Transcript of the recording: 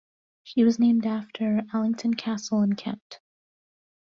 She was named after Allington Castle in Kent.